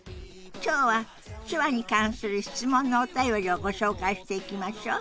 今日は手話に関する質問のお便りをご紹介していきましょ。